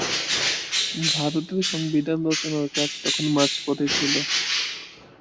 ভারতের সংবিধান রচনার কাজ তখন মাঝপথে ছিল।